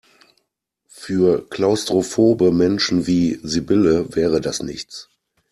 Für klaustrophobe Menschen wie Sibylle wäre das nichts.